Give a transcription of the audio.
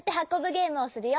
ゲームをするよ。